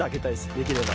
できれば。